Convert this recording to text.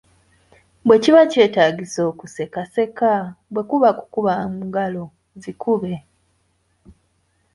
Bwe kiba kyetaagisa okuseka seka, bwe kuba kukuba mu ngalo zikube .